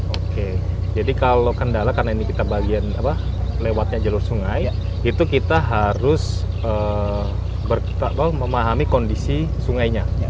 oke jadi kalau kendala karena ini kita bagian lewatnya jalur sungai itu kita harus memahami kondisi sungainya